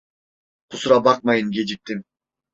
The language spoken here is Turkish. Kusura bakmayın geciktim.